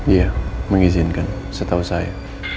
iya mengizinkan setahu saya